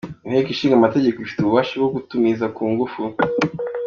Inteko Ishinga Amategeko ifite ububasha bwo kumutumiza ku ngufu.